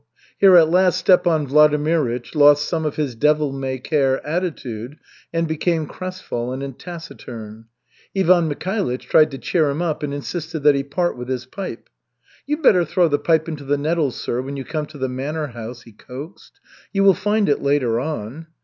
Here at last Stepan Vladimirych lost some of his devil may care attitude and became crestfallen and taciturn. Ivan Mikhailych tried to cheer him up and insisted that he part with his pipe. "You'd better throw the pipe into the nettles, sir, when you come to the manor house," he coaxed. "You will find it later on."